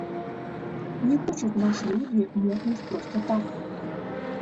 Не хочуць нашы людзі мокнуць проста так.